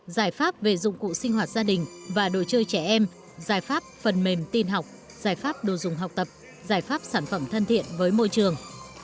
giải pháp về dụng cụ sinh hoạt gia đình và đồ chơi trẻ em giải pháp phần mềm tin học giải pháp đồ dùng học tập giải pháp sản phẩm thân thiện với môi trường